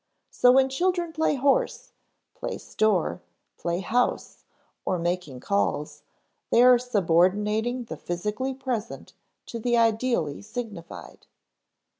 So when children play horse, play store, play house or making calls, they are subordinating the physically present to the ideally signified.